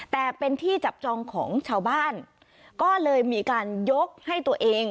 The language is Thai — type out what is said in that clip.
แต่เป็นที่จับจองของชาวบ้านก็เลยมีการยกให้ตัวเอง